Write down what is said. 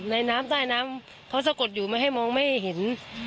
ในน้ำใต้น้ำเขาสะกดอยู่ไม่ให้มองไม่เห็น